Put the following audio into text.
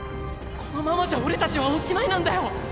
このままじゃ俺たちはおしまいなんだよ！！